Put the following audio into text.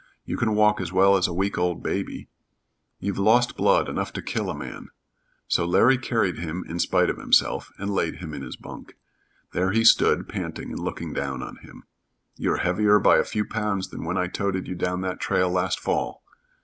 You can walk as well as a week old baby. You've lost blood enough to kill a man." So Larry carried him in spite of himself, and laid him in his bunk. There he stood, panting, and looking down on him. "You're heavier by a few pounds than when I toted you down that trail last fall."